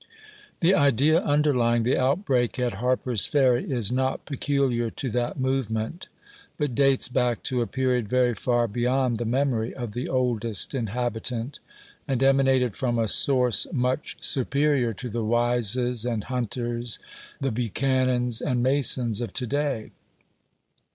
The idea underlying the outbreak at Harper's Ferry is not peculiar to that movement, but dates back to a period very far beyond the memory of the " oldest inhabitant," and emanated from a source much superior to the Wises and Hunters, the Buchanans and Masons of to day.